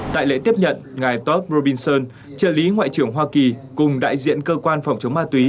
tại lễ tiếp nhận ngài top robinson trợ lý ngoại trưởng hoa kỳ cùng đại diện cơ quan phòng chống ma túy